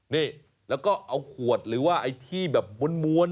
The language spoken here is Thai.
นี่แล้วก็เอาขวดหรือว่าไอ้ที่แบบม้วน